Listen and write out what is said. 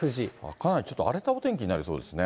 かなりちょっと荒れたお天気になりそうですね。